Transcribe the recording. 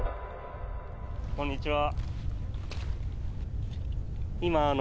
こんにちは。